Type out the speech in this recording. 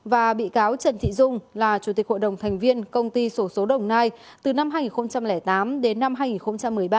và bị cáo trần thị dung là chủ tịch hội đồng thành viên công ty sổ số đồng nai từ năm hai nghìn tám đến năm hai nghìn một mươi ba